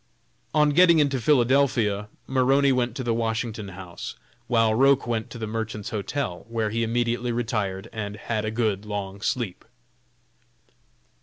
On getting into Philadelphia, Maroney went to the Washington House, while Roch went to the Merchants' Hotel, where he immediately retired, and had a good long sleep.